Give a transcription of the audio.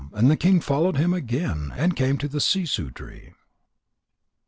And the king followed him again, and came to the sissoo tree.